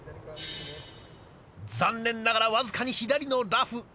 残念ながらわずかに左のラフ。